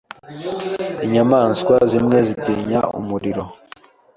Inyamaswa zimwe zitinya umuriro.